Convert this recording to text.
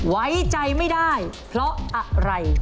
ไว้ใจไม่ได้เพราะอะไร